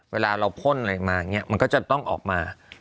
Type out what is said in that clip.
เวลาเราพ่นอะไรมาอย่างนี้มันก็จะต้องออกมา